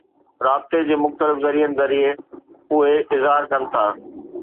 رابطي جي مختلف ذريعن ذريعي، اهي اظهار ڪن ٿا.